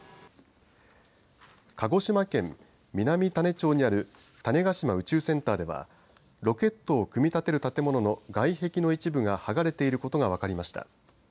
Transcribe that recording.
鹿児島県南種子町にある種子島宇宙センターではロケットを組み立てる建物の外壁の一部が剥がれていることが分かりました。